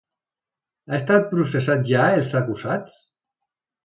Han estat processats ja els acusats?